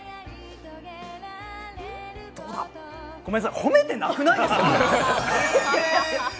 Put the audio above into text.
ごめんなさい、褒めてなくないですか？